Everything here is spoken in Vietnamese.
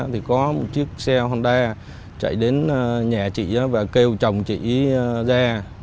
thì có một chiếc xe honda chạy đến nhà chị và kêu chồng chị ghe